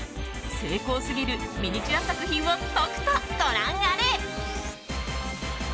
精巧すぎるミニチュア作品をとくとご覧あれ。